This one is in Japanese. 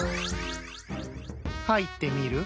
入ってみる？